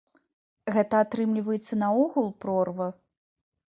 Гэта, атрымліваецца, наогул прорва?